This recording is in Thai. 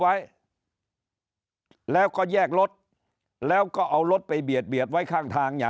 ไว้แล้วก็แยกรถแล้วก็เอารถไปเบียดเบียดไว้ข้างทางอย่า